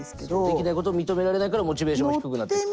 できないことを認められないからモチベーションが低くなっていくと。